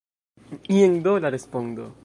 Jen do la respondo.